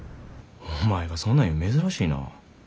お前がそんなん言うん珍しいなぁ。